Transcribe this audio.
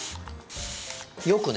よくね？